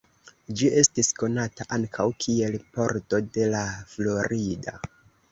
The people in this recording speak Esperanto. Ĝi estis konata ankaŭ kiel pordo de La Florida.